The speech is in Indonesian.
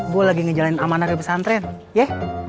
gue lagi ngejalanin amanah di pesantren ya